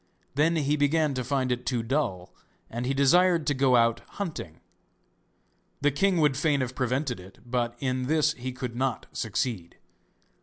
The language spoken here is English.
Then he began to find it too dull, and he desired to go out hunting. The king would fain have prevented it, but in this he could not succeed.